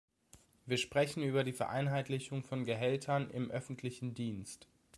Wir sprechen über die Vereinheitlichung von Gehältern im öffentlichen Dienst.